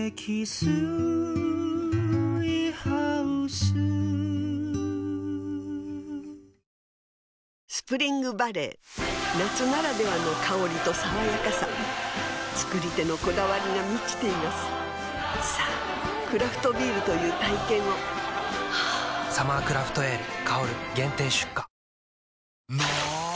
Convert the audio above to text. スプリングバレー夏ならではの香りと爽やかさ造り手のこだわりが満ちていますさぁクラフトビールという体験を「サマークラフトエール香」限定出荷の！